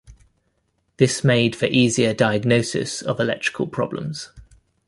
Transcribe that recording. This made for easier diagnosis of electrical problems.